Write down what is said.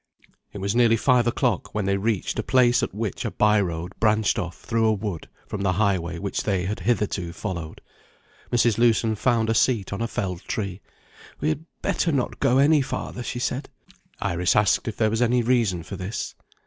It was nearly five o'clock when they reached a place at which a by road branched off, through a wood, from the highway which they had hitherto followed. Mrs. Lewson found a seat on a felled tree. "We had better not go any farther," she said. Iris asked if there was any reason for this.